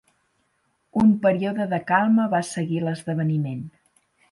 Un període de calma va seguir l'esdeveniment.